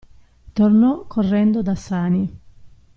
Tornò correndo da Sani.